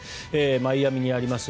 マイアミにあります